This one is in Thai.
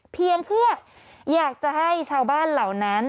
เพียงเพื่ออยากจะให้ชาวบ้านเหล่านั้น